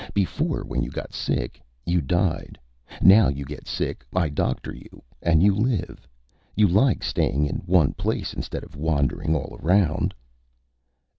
Before, when you got sick, you died. Now you get sick, I doctor you, and you live. You like staying in one place, instead of wandering all around."